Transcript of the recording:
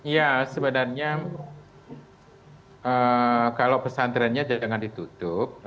ya sebenarnya kalau pesantrennya jangan ditutup